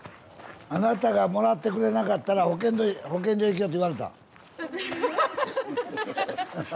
「あなたがもらってくれなかったら保健所行きよ」って言われた？